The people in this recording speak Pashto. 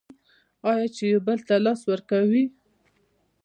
آیا چې یو بل ته لاس ورکوي؟